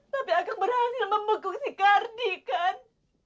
tapi agak berhasil memegung si kardi kan